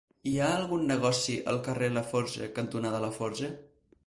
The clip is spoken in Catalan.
Hi ha algun negoci al carrer Laforja cantonada Laforja?